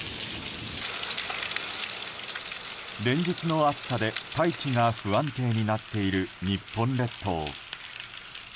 連日の暑さで大気が不安定になっている日本列島。